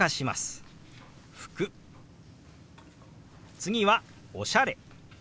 次は「おしゃれ」。